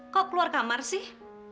kok keluar kamar sih